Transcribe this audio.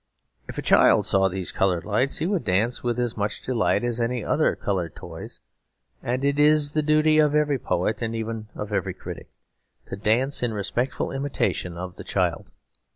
If a child saw these coloured lights, he would dance with as much delight as at any other coloured toys; and it is the duty of every poet, and even of every critic, to dance in respectful imitation of the child.